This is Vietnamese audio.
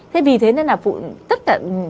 thế vì thế nên là tất cả